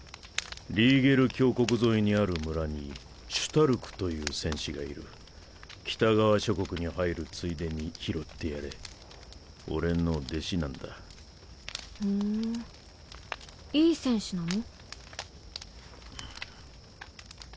リーゲル峡谷沿いにある村にシュタルクと北側諸国に入るついでに拾ってやれ俺の弟子なんだふんいい戦士なの？